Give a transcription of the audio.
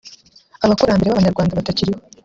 Abakurambere b’Abanyarwanda batakiriho